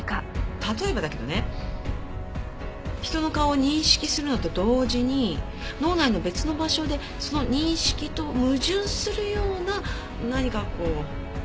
例えばだけどね人の顔を認識するのと同時に脳内の別の場所でその認識と矛盾するような何かこう別の反応が起きたとか。